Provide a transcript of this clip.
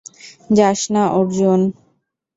যাস না, অর্জুন!